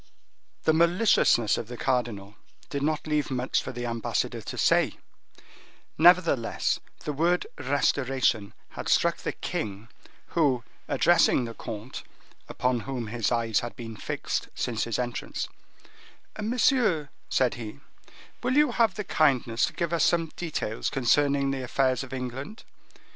The maliciousness of the cardinal did not leave much for the ambassador to say; nevertheless, the word "restoration" had struck the king, who, addressing the comte, upon whom his eyes had been fixed since his entrance,—"Monsieur," said he, "will you have the kindness to give us some details concerning the affairs of England.